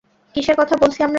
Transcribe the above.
কিসের কথা বলছি আমরা?